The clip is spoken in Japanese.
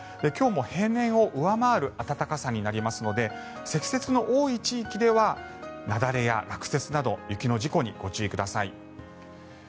今日も平年を上回る暖かさになりますので積雪の多い地域では雪崩や落雪など雪の事故にご注意ください。